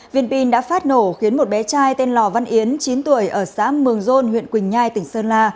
viên pin đã phát nổ khiến một bé trai tên lò văn yến chín tuổi ở xã mường rôn huyện quỳnh nhai tỉnh sơn la